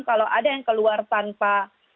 kalau ada yang keluar tanpa